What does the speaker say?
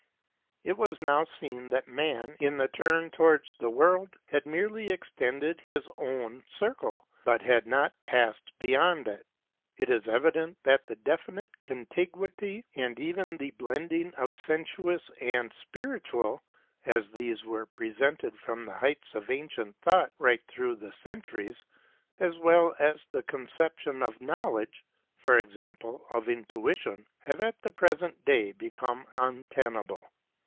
It was now seen that man, in the turn towards the world, had merely extended his own circle, but had not passed beyond it. It is evident that the definite contiguity and even the blending of sensuous and spiritual, as these were presented from the heights of ancient thought right through the centuries, as well as the conception of Knowledge (e.g. of intuition), have at the present day become untenable.